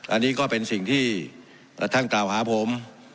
อันนี้ก็เป็นสิ่งที่ท่านกล่าวหาผม